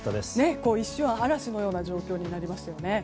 一瞬、嵐のような状況になりましたよね。